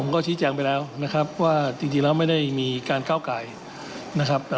คุณผู้ชมครับ